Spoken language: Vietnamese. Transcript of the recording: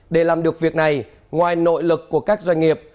để làm được việc này ngoài nội lực của các doanh nghiệp